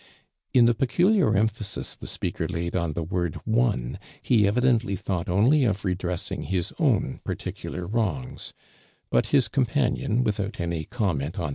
'" In the peculiar emphasis the speaker laid on the word "one," he evidently thought only of redre.ssing his own particular wrongs, but his companion, without any comment oi.